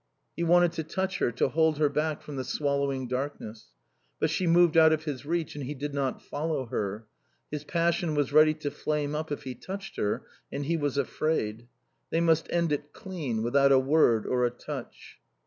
He wanted to touch her, to hold her back from the swallowing darkness. But she moved out of his reach and he did not follow her. His passion was ready to flame up if he touched her, and he was afraid. They must end it clean, without a word or a touch.